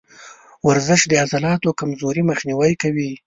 ورزش د عضلاتو کمزوري مخنیوی کوي.